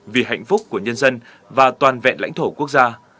vì hạnh phúc của nhân dân và toàn vẹn lãnh thổ quốc gia